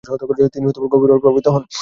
তিনি গভীরভাবে প্রভাবিত হন।